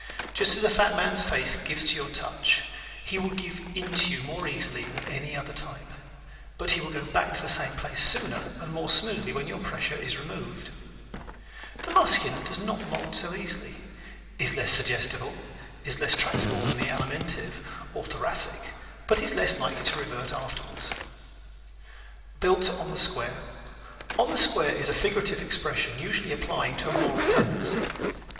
Just as the fat man's face gives to your touch, he will give in to you more easily than any other type; but he will go back to the same place sooner and more smoothly when your pressure is removed. [Illustration: 5 Muscular the worker] The Muscular does not mold so easily, is less suggestible, is less tractable than the Alimentive or Thoracic but is less likely to revert afterwards. Built on the Square ¶ "On the Square" is a figurative expression usually applying to a moral tendency.